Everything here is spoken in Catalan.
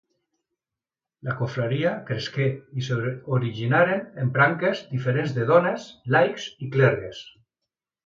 La confraria cresqué i s'originaren branques diferents de dones, laics i clergues.